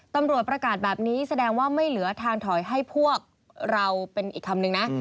ประกาศแบบนี้แสดงว่าไม่เหลือทางถอยให้พวกเราเป็นอีกคำนึงนะ